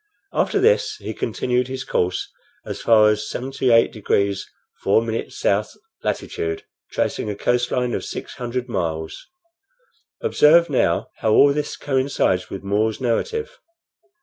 After this he continued his course as far as 78 degrees 4' south latitude, tracing a coast line of six hundred miles. Observe, now how all this coincides with More's narrative.